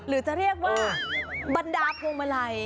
หรือจะเรียกว่าบรรดาพวงมาลัย